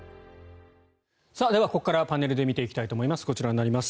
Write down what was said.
ではここからはパネルで見ていきたいと思います。